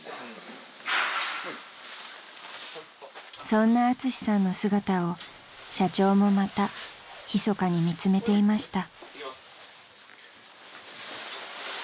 ［そんなアツシさんの姿を社長もまたひそかに見つめていました］